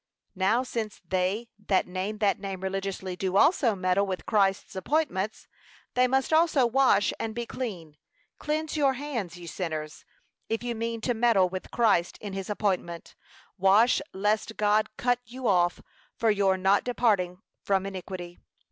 Now since they that name that name religiously do also meddle with Christ's appointments, they must also wash and be clean; cleanse your hands ye sinners, if you mean to meddle with Christ in his appointment; wash lest God cut you off for your not departing from iniquity.